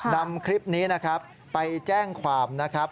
นำคลิปนี้นะครับไปแจ้งความนะครับ